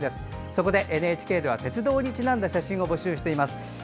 そこでＮＨＫでは鉄道にちなんだ写真を募集しています。